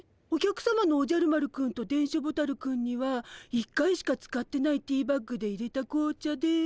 お客さまのおじゃる丸くんと電書ボタルくんには１回しか使ってないティーバッグでいれた紅茶で。